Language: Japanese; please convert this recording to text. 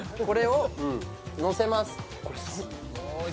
これをのせます